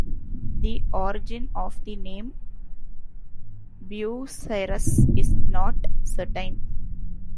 The origin of the name Bucyrus is not certain.